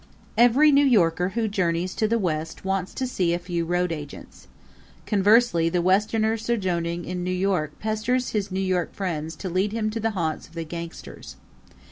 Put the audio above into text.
Every New Yorker who journeys to the West wants to see a few roadagents; conversely the Westerner sojourning in New York pesters his New York friends to lead him to the haunts of the gangsters.